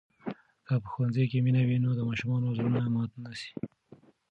که په ښوونځي کې مینه وي، نو د ماشومانو زړونه مات نه سي.